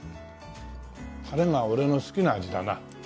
タレが俺の好きな味だな。